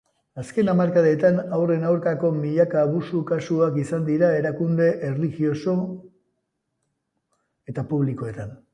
Azken hamarkadetan haurren aurkako milaka abusu kasuak izan dira erakunde erlijioso eta publikoetan.